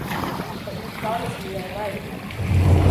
But you promised me I might!